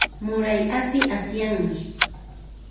Muray api asyami.